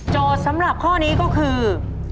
สำหรับข้อนี้ก็คือ